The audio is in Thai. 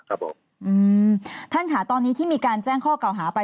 ครับผมอืมท่านค่ะตอนนี้ที่มีการแจ้งข้อเก่าหาไป